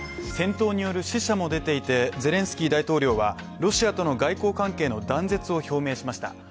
戦闘による死者も出ていてゼレンスキー大統領はロシアとの外交関係の断絶を表明しました。